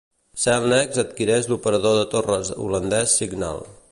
Cellnex adquireix l'operador de torres holandès Cignal.